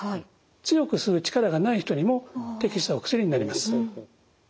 強く吸う力がない人にも適したお薬になります。